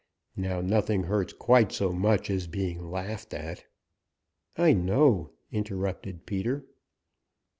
Now nothing hurts quite so much as being laughed at." "I know," interrupted Peter.